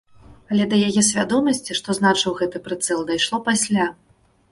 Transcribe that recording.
Але да яе свядомасці, што значыў гэты прыцэл, дайшло пасля.